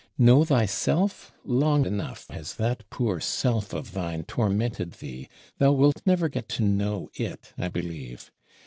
"Know thyself": long enough has that poor "self" of thine tormented thee; thou wilt never get to "know" it, I believe!